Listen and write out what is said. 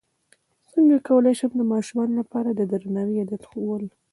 څنګه کولی شم د ماشومانو لپاره د درناوي عادت ښوول